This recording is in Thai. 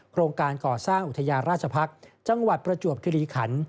โครงการก่อสร้างอุทยาราชภักษ์จังหวัดประจวบคิริขัน